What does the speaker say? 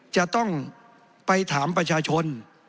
จะต้องไปถามประชาชน